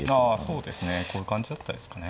あそうですね。こういう感じだったですかね。